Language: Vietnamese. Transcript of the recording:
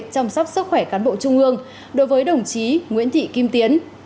chăm sóc sức khỏe cán bộ trung ương đối với đồng chí nguyễn thị kim tiến